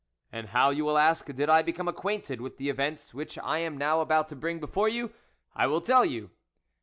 And how, you will ask, did I become acquainted with the events which I am now about to bring before you ? I will tell you.